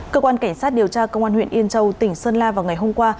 cơ quan cảnh sát điều tra công an huyện yên châu tỉnh sơn la vào ngày hôm qua